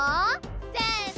せの！